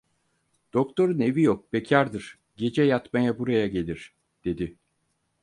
Doktorun evi yok, bekardır; gece yatmaya buraya gelir! dedi.